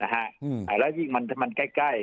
แล้วยิ่งมันใกล้